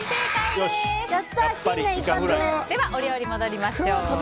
では、お料理に戻りましょう。